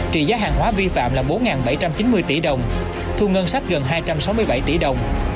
trị giá hàng hóa vi phạm là bốn bảy trăm chín mươi tỷ đồng thu ngân sách gần hai trăm sáu mươi bảy tỷ đồng